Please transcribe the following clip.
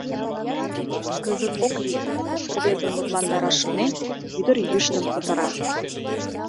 — Кызыт ок лий... — рвезым лыпландараш шонен, ӱдыр йӱштын кутыра.